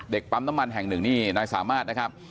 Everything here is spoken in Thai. ปั๊มน้ำมันแห่งหนึ่งนี่นายสามารถนะครับ